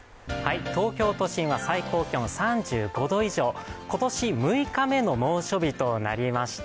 東京都心は最高気温３５度以上、今年６日目の猛暑日となりました。